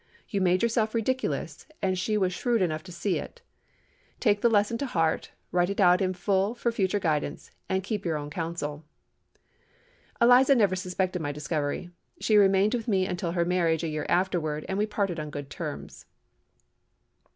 You made yourself ridiculous, and she was shrewd enough to see it. Take the lesson to heart; write it out in full for future guidance, and keep your own counsel.' "Eliza never suspected my discovery. She remained with me until her marriage a year afterward, and we parted upon good terms."